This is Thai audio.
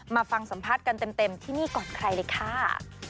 มาฟังสัมภาษณ์กันเต็มที่นี่ก่อนใครเลยค่ะ